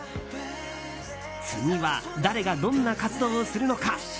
次は誰がどんな活動をするのか？